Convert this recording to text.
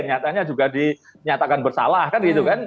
nyatanya juga dinyatakan bersalah kan gitu kan